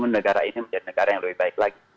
negara ini menjadi negara yang lebih baik lagi